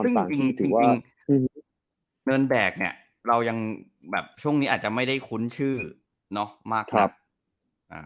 ซึ่งตอนนี้นวดเนินแบกอาจจะยังไม่คุ้นชื่อนะมากมายนะ